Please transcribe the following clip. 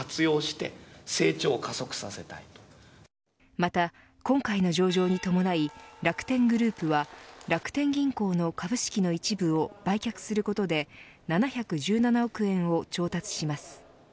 また、今回の上場に伴い楽天グループは、楽天銀行の株式の一部を売却することで７１７億円を調達します。